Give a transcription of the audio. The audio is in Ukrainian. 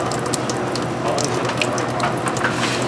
— Слава й за те.